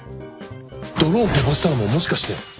ドローン飛ばしたのももしかして。